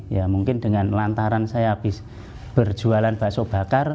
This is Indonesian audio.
ya mungkin dengan lantaran saya habis berjualan bakso bakar